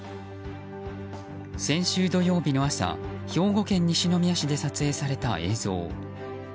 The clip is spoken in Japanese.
先週土曜日の朝兵庫県西宮市で撮影された映像。